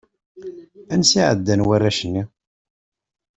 Ansa i ɛeddan warrac-nni?